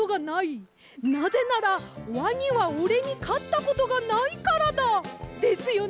なぜならワニはおれにかったことがないからだ」ですよね！